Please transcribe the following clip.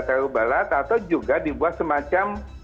terlalu berat atau juga dibuat semacam